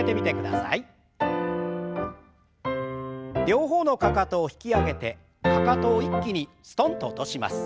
両方のかかとを引き上げてかかとを一気にすとんと落とします。